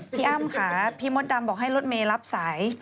พี่อ้ำค่ะพี่มดดำบอกให้รถเมย์รับสาย